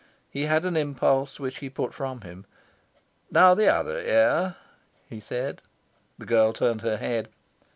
He had an impulse, which he put from him. "Now the other ear," he said. The girl turned her head.